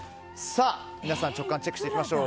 皆さん直感をチェックしましょう。